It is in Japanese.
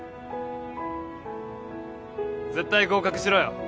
絶対合格しろよ。